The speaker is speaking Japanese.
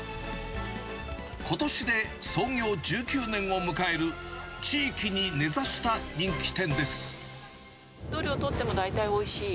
ことしで創業１９年を迎える、どれをとっても大体おいしい。